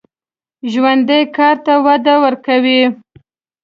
ژوندي کار ته وده ورکوي